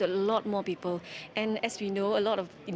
jadi kita bisa menemukan banyak orang